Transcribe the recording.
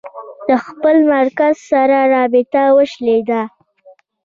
د خپل مرکز سره رابطه وشلېده.